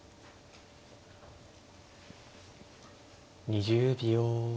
２０秒。